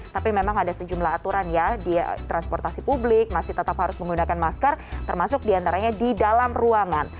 tapi memang ada sejumlah aturan ya di transportasi publik masih tetap harus menggunakan masker termasuk diantaranya di dalam ruangan